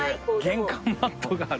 玄関マットがある。